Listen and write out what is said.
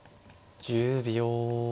１０秒。